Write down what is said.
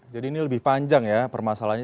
jadi ini lebih panjang ya permasalahannya